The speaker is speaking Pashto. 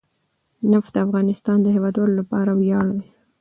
نفت د افغانستان د هیوادوالو لپاره ویاړ دی.